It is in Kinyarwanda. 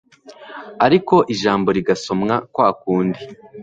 ariko ijambo rigasomwa kwa kundi.